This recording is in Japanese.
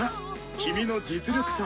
君の実力さ。